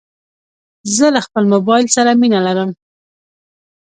زه له خپل موبایل سره مینه لرم.